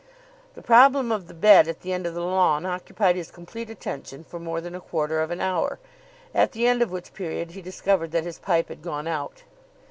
The problem of the bed at the end of the lawn occupied his complete attention for more than a quarter of an hour, at the end of which period he discovered that his pipe had gone out.